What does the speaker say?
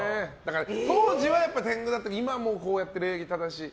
当時は天狗だったけど今もうこうやって礼儀正しい。